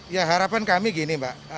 ya harapan kami gini mbak